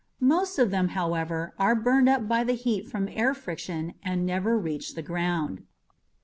Most of them, however, are burned up by the heat from air friction and never reach the ground.